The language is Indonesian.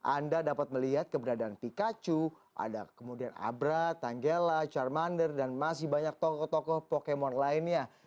anda dapat melihat keberadaan pikachu ada kemudian abra tanggela charmander dan masih banyak tokoh tokoh pokemon lainnya